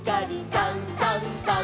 「さんさんさん」